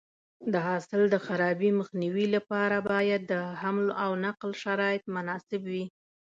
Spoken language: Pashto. د حاصل د خرابي مخنیوي لپاره باید د حمل او نقل شرایط مناسب وي.